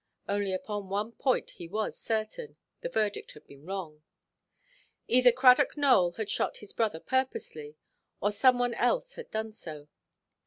Only upon one point he was certain—the verdict had been wrong. Either Cradock Nowell had shot his brother purposely, or some one else had done so.